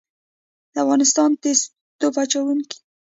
د افغانستان تیز توپ اچوونکي